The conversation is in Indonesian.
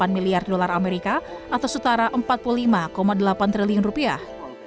delapan miliar dolar amerika atau setara empat puluh lima delapan triliun rupiah